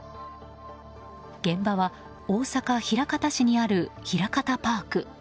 現場は大阪・枚方市にあるひらかたパーク。